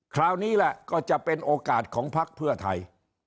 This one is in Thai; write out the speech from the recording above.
คราวนี้แหละก็จะเป็นโอกาสของพักเพื่อไทย